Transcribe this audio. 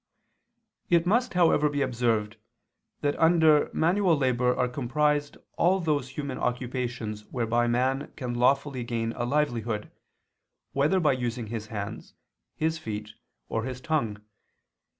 It must, however, be observed that under manual labor are comprised all those human occupations whereby man can lawfully gain a livelihood, whether by using his hands, his feet, or his tongue.